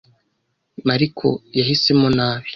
Mariko yahisemo nabi.